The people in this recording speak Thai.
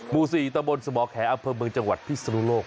หมู่๔ตะบนสมแขอำเภอเมืองจังหวัดพิศนุโลก